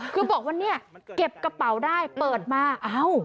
คือบอกว่าเก็บกระเป๋าได้เปิดมาอ้าว